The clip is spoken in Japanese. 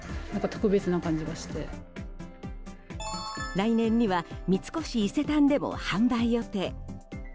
来年には三越伊勢丹でも販売予定。